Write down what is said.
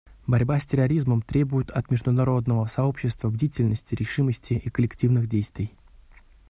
Борьба с терроризмом требует от международного сообщества бдительности, решимости и коллективных действий.